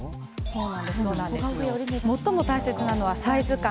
最も大切なのはサイズ感。